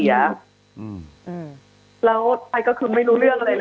แล้วก็คือไม่รู้เรื่องอะไรงั้น